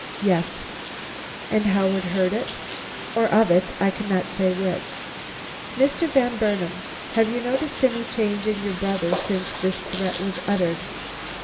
"Yes." "And Howard heard it?" "Or of it; I cannot say which." "Mr. Van Burnam, have you noticed any change in your brother since this threat was uttered?"